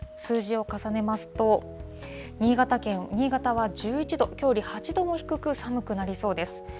数字を重ねますと、新潟は１１度、きょうより８度も低く、寒くなりそうです。